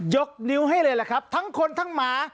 ยกนิ้วให้เลยล่ะครับทั้งคนทั้งหมา